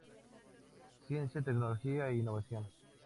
Ciencia, tecnología e innovación.